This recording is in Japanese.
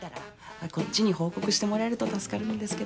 こっちに報告してもらえると助かるんですけど。